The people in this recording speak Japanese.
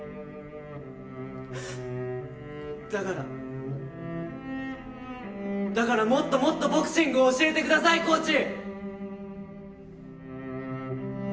だからだからもっともっとボクシングを教えてくださいコーチ！